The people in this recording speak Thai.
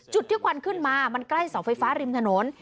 จุดที่ควันขึ้นมามันใกล้เสาไฟฟ้าริมถนน